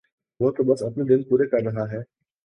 وہ تو بس اپنے دن پورے کر رہا ہے